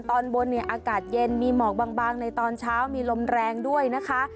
ตอนบนเนี่ยอากาศเย็นมีหมอกบางในตอนเช้ามีลมแรงด้วยนะคะ